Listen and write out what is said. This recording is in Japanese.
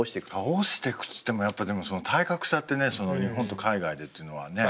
「倒してく」っつっても体格差ってね日本と海外でっていうのはね